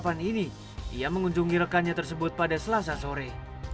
di depan ini ia mengunjungi rekannya tersebut pada selasa sore